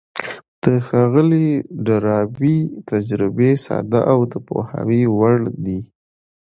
د ښاغلي ډاربي تجربې ساده او د پوهاوي وړ دي.